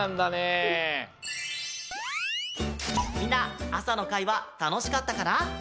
みんな朝の会はたのしかったかな？